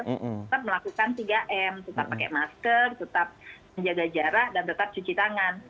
tetap melakukan tiga m tetap pakai masker tetap menjaga jarak dan tetap cuci tangan